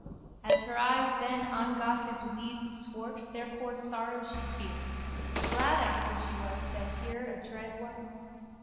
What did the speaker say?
As her eyes then ongot his weeds swart therefor sorrow she feared. Glad after she was that ere adread was.